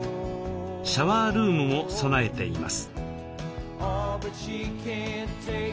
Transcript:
シャワールームも備えています。